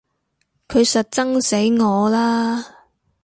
佢實憎死我啦！